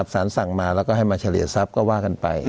สารสั่งมาแล้วก็ให้มาเฉลี่ยทรัพย์ก็ว่ากันไป